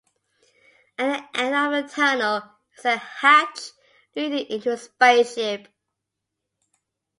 At the end of the tunnel is a hatch leading into a spaceship.